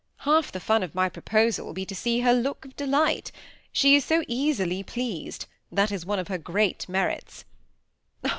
Half the fun of my proposal will be, to see her look of delight She is so easily pleased ; that is one of her great merits."